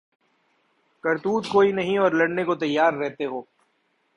کرتوت کوئی نہیں اور لڑنے کو تیار رہتے ہو